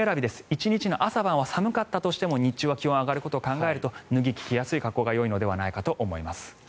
１日の朝晩は寒かったとしても、日中は気温が上がることを考えると脱ぎ着しやすい格好がよいのではないかと思います。